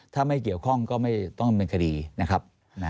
ถ้าไม่เกี่ยวข้องก็ไม่ต้องดำเนินคดีนะครับ